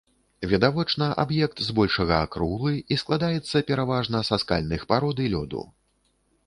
Відавочна, аб'ект збольшага акруглы, і складаецца пераважна са скальных парод і лёду.